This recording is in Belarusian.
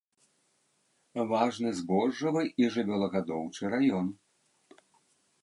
Важны збожжавы і жывёлагадоўчы раён.